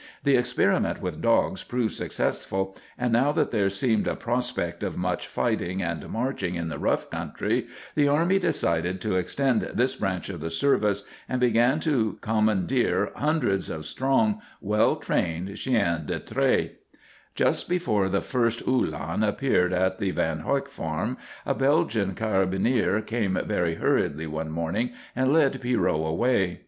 The experiment with dogs proved successful, and now that there seemed a prospect of much fighting and marching in the rough country the army decided to extend this branch of the service and began to commandeer hundreds of strong, well trained chiens de trait. Just before the first Uhlan appeared at the Van Huyk farm a Belgian carbineer came very hurriedly one morning and led Pierrot away.